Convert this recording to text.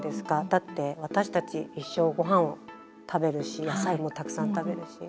だって、私たち一生、ごはんを食べるし野菜もたくさん食べるし。